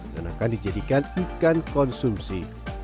dan akan dijadikan ikan konsumsi